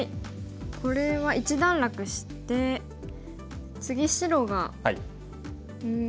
これは一段落して次白がうん。